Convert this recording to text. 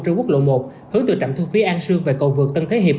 trên quốc lộ một hướng từ trạm thương phía an sương và cầu vực tân thế hiệp